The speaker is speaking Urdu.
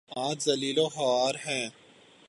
آج ذلیل وخوار ہیں۔